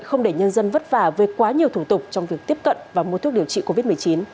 không để nhân dân vất vả về quá nhiều thủ tục trong việc tiếp cận và mua thuốc điều trị covid một mươi chín